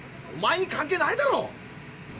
おまえに関係ないだろ！